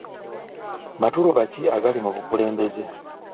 Matuluba ki agali mu bukulembeze?